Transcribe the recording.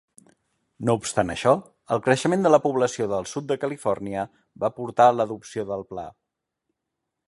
No obstant això, el creixement de la població del sud de Califòrnia va portar a l'adopció del pla.